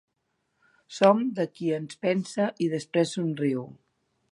Som de qui ens pensa i després somriu.